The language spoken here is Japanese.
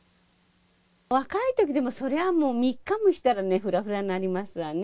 若いときでも、そりゃあもう、３日もしたらね、ふらふらになりますわね。